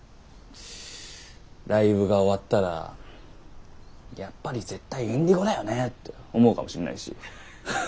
ライブが終わったらやっぱり絶対Ｉｎｄｉｇｏだよねって思うかもしんないし。